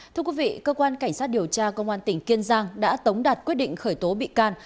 thưa quý vị cơ quan cảnh sát điều tra công an tỉnh kiên giang đã tống đạt quyết định khởi tố bị can